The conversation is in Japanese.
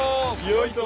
よいと。